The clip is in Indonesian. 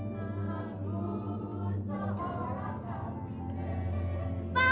mama di rumah aja ya nemenin ibu